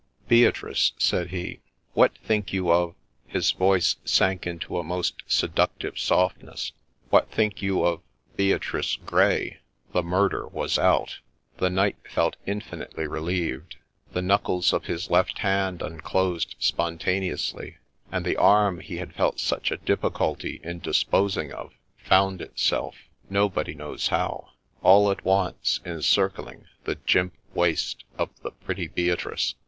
' Bea trice,' said he, ' what think you of —' his voice sank into a most seductive softness, —' what think you of — Beatrice Grey ?' The murder was out :— the knight felt infinitely relieved ; the knuckles of his left hand unclosed spontaneously ; and the arm he had felt such a difficulty in disposing of, found itself, — nobody knows how, — all at once, encircling the jimp waist of the pretty Beatrice.